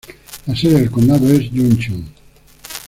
La sede del condado es Junction.